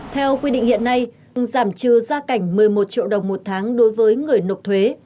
theo quy định hiện nay giảm trừ gia cảnh một mươi một triệu đồng một tháng đối với người nộp thuế